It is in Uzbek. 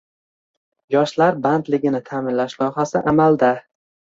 Yoshlar bandligini ta’minlash loyihasi – amaldang